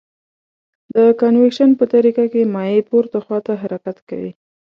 د کانویکشن په طریقه کې مایع پورته خواته حرکت کوي.